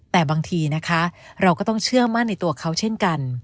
แต่บางทีนะคะเราก็ต้องเชื่อมั่นในตัวเขาเช่นกัน